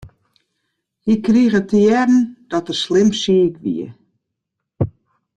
Hy krige te hearren dat er slim siik wie.